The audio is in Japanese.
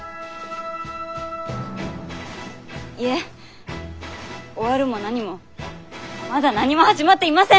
いえ終わるも何もまだ何も始まっていません！